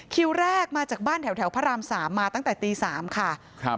คิวแรกมาจากบ้านแถวพระรามสามมาตั้งแต่ตี๓ค่ะครับ